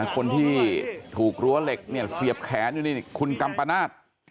คนที่ถูกรั้วเหล็กเนี่ยเสียบแขนอยู่นี่คุณกัมปนาศ